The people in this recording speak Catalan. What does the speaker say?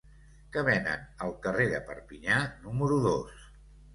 Què venen al carrer de Perpinyà número dos?